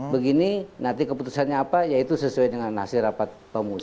begini nanti keputusannya apa yaitu sesuai dengan hasil rapat pemus